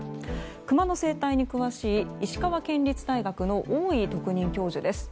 クマの生態に詳しい石川県立大学の大井特任教授です。